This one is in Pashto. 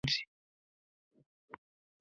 منډه د اروايي سکون لامل ګرځي